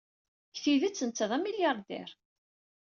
Deg tidet, netta d amilyaṛdiṛ.